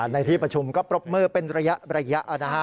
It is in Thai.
ในที่ประชุมก็ปรบมือเป็นระยะนะฮะ